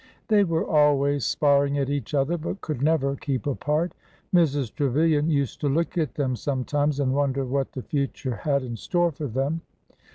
They were always sparring at each other, but could never keep apart. Mrs. Trevilian used to look at them sometimes and wonder what the future had in store for them.